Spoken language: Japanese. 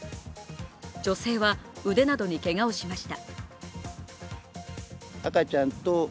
女性は腕などにけがをしました。